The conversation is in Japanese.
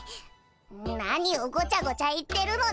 何をごちゃごちゃ言ってるのだ。